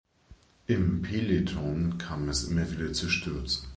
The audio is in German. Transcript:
Im Peloton kam es immer wieder zu Stürzen.